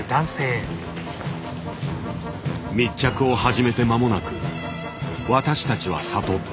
密着を始めてまもなく私たちは悟った。